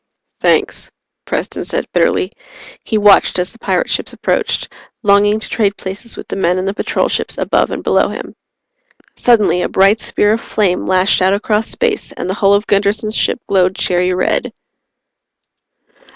"Thanks," Preston said bitterly. He watched as the pirate ships approached, longing to trade places with the men in the Patrol ships above and below him. Suddenly a bright spear of flame lashed out across space and the hull of Gunderson's ship glowed cherry red.